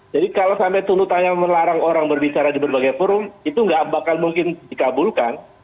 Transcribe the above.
jadi kalau sampai tuntutannya melarang orang berbicara di berbagai forum itu nggak bakal mungkin dikabulkan